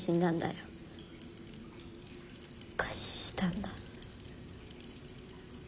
餓死したんだ。